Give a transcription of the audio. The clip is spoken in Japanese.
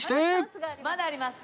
まだあります。